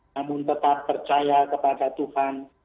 namun tetap percaya kepada tuhan